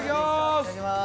いただきます。